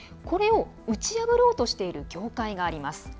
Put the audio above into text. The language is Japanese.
これを打ち破ろうとしている業界があります。